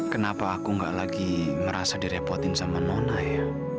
kenapa aku gak lagi merasa direpotin sama nona ya